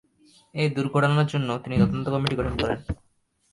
এ দূর্ঘটনার জন্য তিনি তদন্ত কমিটি গঠন করেন।